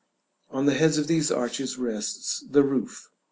On the heads of these arches rests the roof.